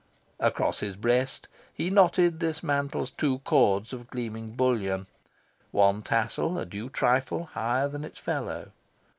Across his breast he knotted this mantle's two cords of gleaming bullion, one tassel a due trifle higher than its fellow.